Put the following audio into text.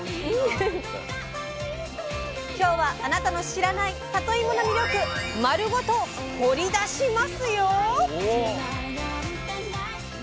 今日はあなたの知らないさといもの魅力丸ごと掘り出しますよ！